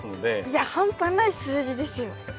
いや半端ない数字ですよ。